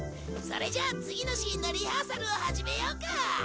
それじゃあ次のシーンのリハーサルを始めようか。